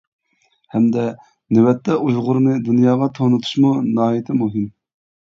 ھەمدە نۆۋەتتە ئۇيغۇرنى دۇنياغا تونۇتۇشمۇ ناھايىتى مۇھىم.